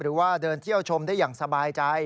หรือว่าเดินเที่ยวชมได้อย่างสบายใจ